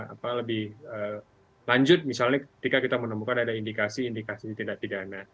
apa lebih lanjut misalnya ketika kita menemukan ada indikasi indikasi tindak pidana